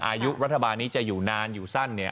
อายุรัฐบาลนี้จะอยู่นานอยู่สั้น